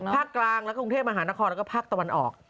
ภาคกลางและกรุงเทพมหานครแล้วก็ภาคตะวันออก